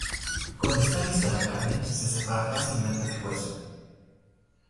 Cuando está lista la carne se separa fácilmente del hueso.